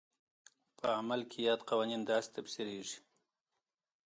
په عمل کې یاد قوانین داسې تفسیرېږي.